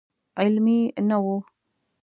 علمي نه و.